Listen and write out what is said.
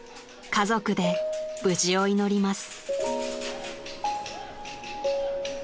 ［家族で無事を祈ります］